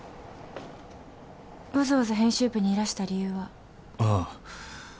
わざわざ編集部にいらした理由は？ああ。